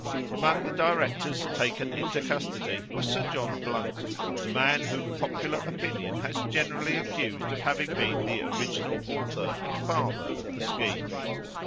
Among the directors taken into custody was Sir John Blunt, the man whom popular opinion has generally accused of having been the original author and father of the scheme.